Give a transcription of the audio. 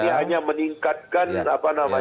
dia hanya meningkatkan apa namanya